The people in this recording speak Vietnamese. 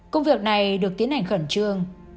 công việc này được tiến hành khẩn trương